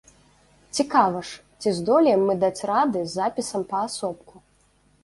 Цікава ж, ці здолеем мы даць рады з запісам паасобку.